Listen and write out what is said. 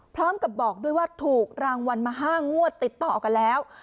พร้อมกับบอกด้วยว่าถูกรางวัลมา๕งวดติดต่อกันแล้ว